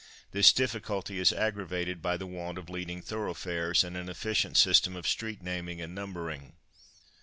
This difficulty is aggravated by the want of leading thoroughfares and an efficient system of street naming and numbering.